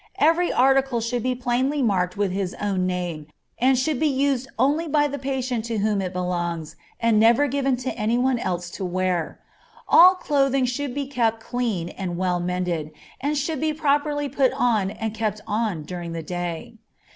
Every article should be plainly marked with his own name, and should be used only by the patient to whom it belongs, and never given to any one else to wear. All clothing should be kept clean and well mended, and should be properly put on and kept on during the day.